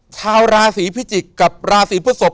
ชาวลาศรีพฤจิกกับลาศรีพฤศพ